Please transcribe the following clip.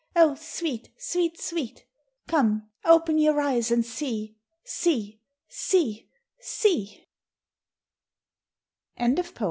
Oh, sweet, sweet, sweet! Come! open your eyes and see! See, see, see!"